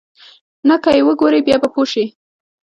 نه که ويې وګورې بيا به پوى شې.